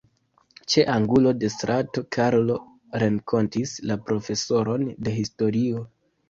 Ĉe angulo de strato Karlo renkontis la profesoron de historio.